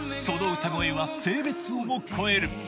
その歌声は性別をも超える